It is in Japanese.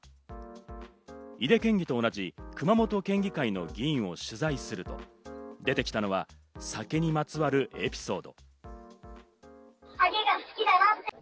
井手県議と同じ熊本県議会の議員を取材すると、出てきたのは酒にまつわるエピソード。